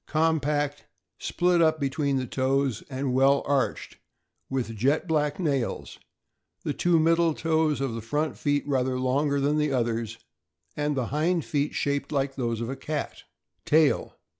— Compact, split up between the toes, and well arched, with jet black nails; the two middle toes of the front feet rather longer than the others, and the hind feet shaped like those of a cat. THE BLACK AND TAN TERRIER. 495 Tail.